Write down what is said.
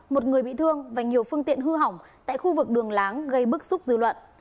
một người bị thương và nhiều phương tiện hư hỏng tại khu vực đường láng gây bức xúc dư luận